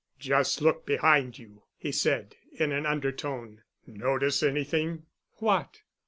"Just look behind you," he said, in an undertone. "Notice any thing?" "What?"